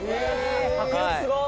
迫力すごっ！